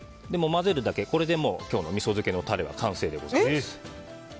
混ぜるだけこれでみそ漬けのタレは完成でございます。